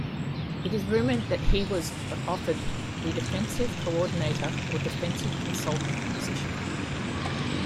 It is rumored that he was offered the defensive coordinator or defensive consultant position.